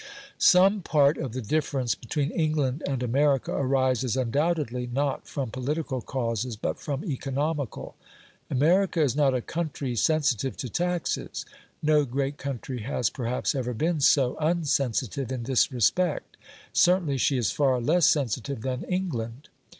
Some part of the difference between England and America arises undoubtedly not from political causes but from economical. America is not a country sensitive to taxes; no great country has perhaps ever been so unsensitive in this respect; certainly she is far less sensitive than England.